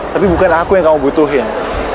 tapi bukan aku yang kamu butuhin